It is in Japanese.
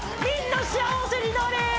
みんな幸せになれ！